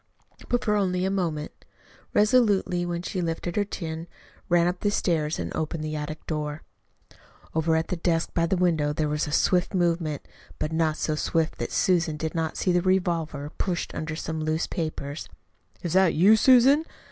But for only a moment. Resolutely then she lifted her chin, ran up the stairs, and opened the attic door. Over at the desk by the window there was a swift movement but not so swift that Susan did not see the revolver pushed under some loose papers. "Is that you, Susan?"